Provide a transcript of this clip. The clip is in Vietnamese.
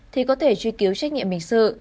thì có thể truy cứu trách nhiệm bình sự